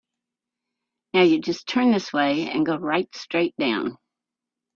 Now you just turn this way and go right straight down.